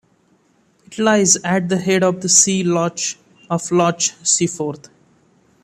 It lies at the head of the sea loch of Loch Seaforth.